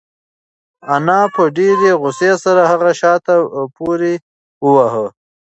انا په ډېرې غوسې سره هغه شاته پورې واهه.